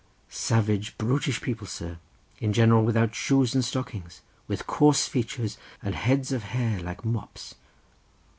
"Savage, brutish people, sir; in general without shoes and stockings, with coarse features and heads of hair like mops."